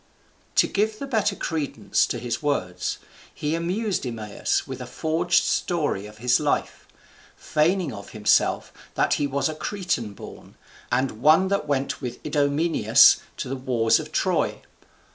To give the better credence to his words, he amused Eumaeus with a forged story of his life; feigning of himself that he was a Cretan born, and one that went with Idomeneus to the wars of Troy.